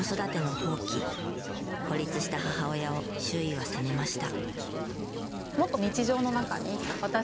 孤立した母親を周囲は責めました。